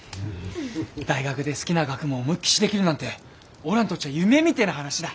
大学で好きな学問を思いっきしできるなんておらにとっちゃ夢みてえな話だ。